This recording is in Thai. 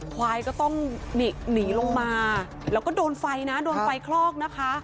ควายก็ต้องหนีลงมาแล้วก็โดนไฟนะโดนไฟคลอกนะคะ